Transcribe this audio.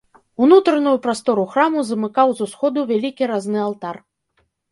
Унутраную прастору храму замыкаў з усходу вялікі разны алтар.